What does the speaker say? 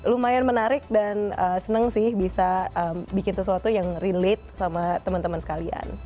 lumayan menarik dan senang sih bisa bikin sesuatu yang relate sama teman teman sekalian